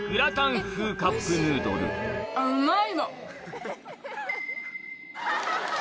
うまいわ！